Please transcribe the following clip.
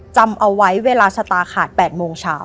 จำเอาไว้เวลาชะตาขาด๘โมงเช้า